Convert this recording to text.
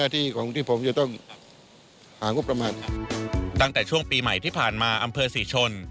ตั้งแต่ช่วงปีใหม่ที่ผ่านอำเภอสีชน